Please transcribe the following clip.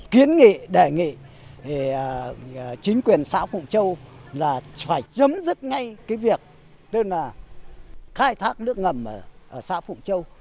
kiến nghị đề nghị chính quyền xã phụng châu là phải chấm dứt ngay cái việc tức là khai thác nước ngầm ở xã phụng châu